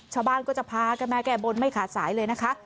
ชาวบ้านก็จะพากันมาแก้บนไม่ขาดสายเลยนะคะ